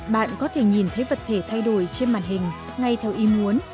bạn có thể nhìn thấy vật thể thay đổi trên màn hình ngay theo ý muốn